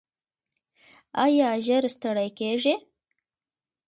ایا ژر ستړي کیږئ؟